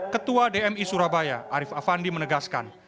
ketua dmi surabaya arief afandi menegaskan